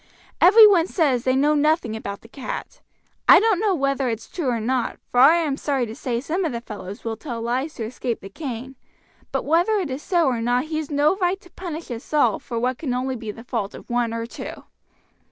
"Every one says they know nothing about the cat. I don't know whether it's true or not, for I am sorry to say some of the fellows will tell lies to escape the cane, but whether it is so or not he's no right to punish us all for what can only be the fault of one or two."